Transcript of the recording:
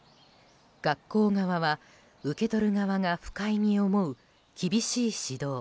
学校側は受け取る側が不快に思う厳しい指導。